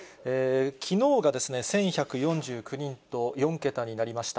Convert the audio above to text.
きのうが１１４９人と、４桁になりました。